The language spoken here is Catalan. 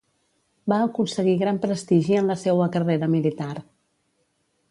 Va aconseguir gran prestigi en la seua carrera militar.